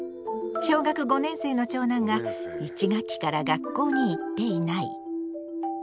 小学５年生の長男が１学期から学校に行っていない。